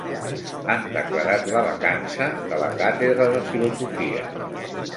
Han declarat la vacança de la càtedra de filosofia.